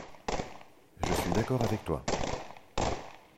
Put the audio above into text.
Je suis d’accord avec toi.